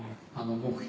目標